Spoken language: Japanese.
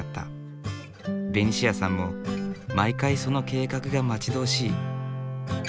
ベニシアさんも毎回その計画が待ち遠しい。